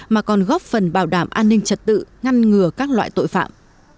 mà còn góp phần bảo đảm an ninh trật tự ngăn ngừa các loại tội phạm